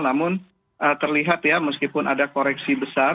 namun terlihat ya meskipun ada koreksi besar